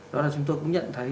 đó là chúng tôi cũng nhận thấy